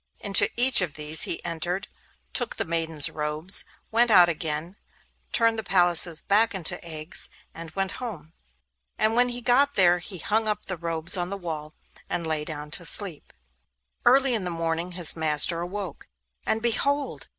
Into each of these he entered, took the maidens' robes, went out again, turned the palaces back into eggs, and went home. And when he got there he hung up the robes on the wall, and lay down to sleep. Early in the morning his master awoke, and behold!